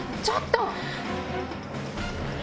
ちょっと！